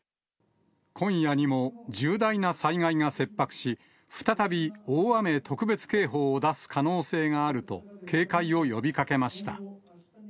今夜にも重大な災害が切迫し、再び大雨特別警報を出す可能性があると、警戒を呼びかけました。